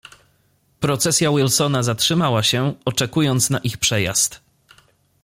"Procesja Wilsona zatrzymała się, oczekując na ich przejazd."